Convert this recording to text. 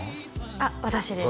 あっ私です